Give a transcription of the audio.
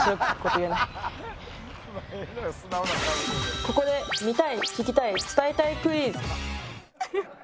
ここで見たい聞きたい伝えたいクイズ。